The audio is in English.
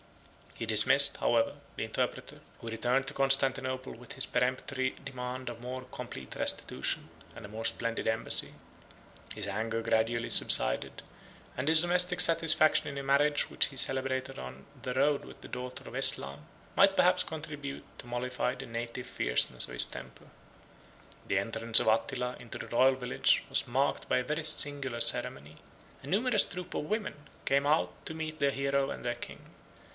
He dismissed, however, the interpreter, who returned to Constantinople with his peremptory demand of more complete restitution, and a more splendid embassy. His anger gradually subsided, and his domestic satisfaction in a marriage which he celebrated on the road with the daughter of Eslam, 4511 might perhaps contribute to mollify the native fierceness of his temper. The entrance of Attila into the royal village was marked by a very singular ceremony. A numerous troop of women came out to meet their hero and their king.